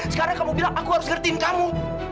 sekarang kamu bilang aku harus ngertiin kamu